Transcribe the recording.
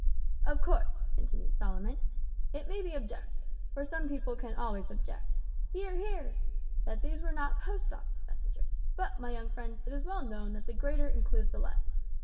"Of course," continued Solomon, "it may be objected for some people can always object (Hear, hear) that these were not Post Office messengers, but, my young friends, it is well known that the greater includes the less.